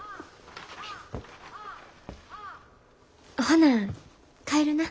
ほな帰るな。